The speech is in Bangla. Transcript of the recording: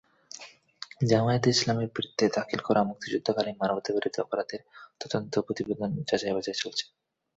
জামায়াতে ইসলামীর বিরুদ্ধে দাখিল করা মুক্তিযুদ্ধকালীন মানবতাবিরোধী অপরাধের তদন্ত প্রতিবেদন যাচাইবাছাই চলছে।